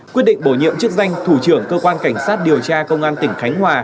quyết định bổ nhiệm chức danh thủ trưởng cơ quan cảnh sát điều tra công an tỉnh khánh hòa